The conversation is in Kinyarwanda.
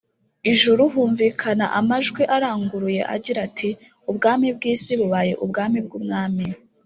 ijuru humvikana amajwi aranguruye agira ati ubwami bwisi bubaye ubwami bw Umwami